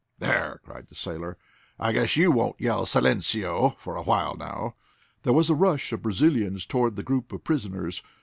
"There!" cried the sailor. "I guess you won't yell 'Silenceo!' for a while now." There was a rush of Brazilians toward the group of prisoners.